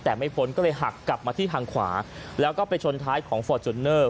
แต่ไม่พ้นก็เลยหักกลับมาที่ทางขวาแล้วก็ไปชนท้ายของฟอร์จูเนอร์